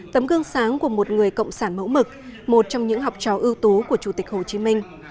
tấm gương sáng của một người cộng sản mẫu mực một trong những học trò ưu tú của chủ tịch hồ chí minh